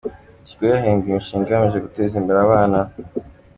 Tigo yahembye imishinga igamije guteza imbere abana